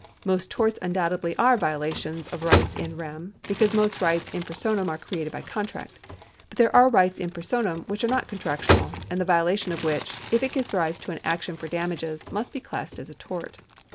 Most torts undoubtedly are violations of rights in rem, because most rights in per sonam are created by contract. But there are rights in personam which are not contractual, and the violation of which, if it gives rise to an action for damages, must be classed as a tort.